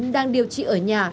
đang điều trị ở nhà